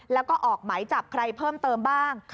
แล้วก็ออกหมายจับใครเพิ่มเติมบ้าง